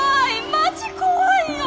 マジ怖いよ。